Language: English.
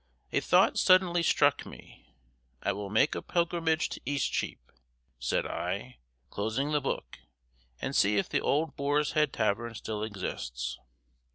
A thought suddenly struck me. "I will make a pilgrimage to Eastcheap," said I, closing the book, "and see if the old Boar's Head Tavern still exists.